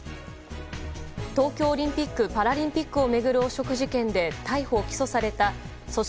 東京オリンピック・パラリンピックを巡る汚職事件で逮捕・起訴された組織